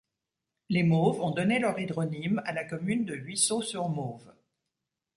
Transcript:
Les Mauves ont donné leur hydronyme à la commune de Huisseau-sur-Mauves.